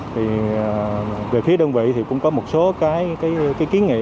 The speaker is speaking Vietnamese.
thì về phía đơn vị thì cũng có một số cái kiến nghị